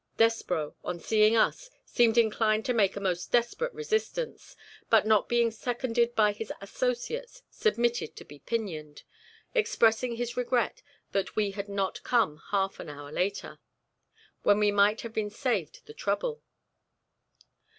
Despreau, on seeing us, seemed inclined to make a most desperate resistance, but not being seconded by his associates, submitted to be pinioned, expressing his regret that we had not come half an hour later, when we might have been saved the trouble.